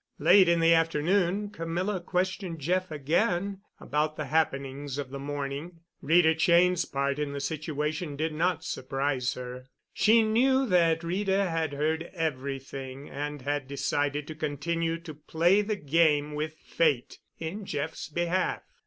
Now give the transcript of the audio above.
Late in the afternoon Camilla questioned Jeff again about the happenings of the morning. Rita Cheyne's part in the situation did not surprise her. She knew that Rita had heard everything and had decided to continue to play the game with Fate in Jeff's behalf.